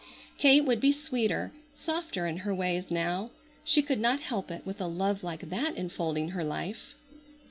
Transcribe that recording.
Kate would be sweeter, softer in her ways now. She could not help it with a love like that enfolding her life.